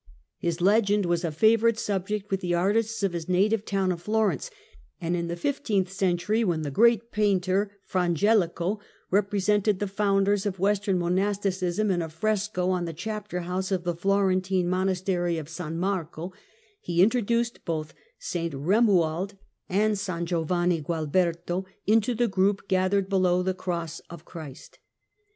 His legend was a favourite subject with the artists of his native town of Florence, and in the fifteenth century, when the great painter Fra Angelico represented the founders of western monasticism in a fresco in the chapter house of the Florentine monastery of San Marco, he introduced both St Eomuald and St Giovanni Gualberto into the group gathered below the Cross of Christ.